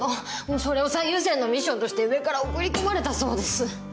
それを最優先のミッションとして上から送り込まれたそうです。